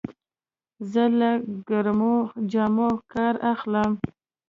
زه له ګرمو جامو کار اخلم.